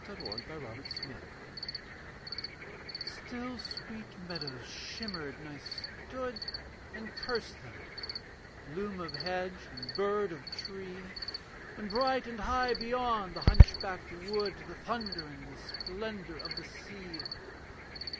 THE HOPE OF THE STREETS The still sweet meadows shimmered: and I stood And cursed them, bloom of hedge and bird of tree, And bright and high beyond the hunch backed wood The thunder and the splendour of the sea.